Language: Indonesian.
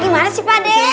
gimana sih pade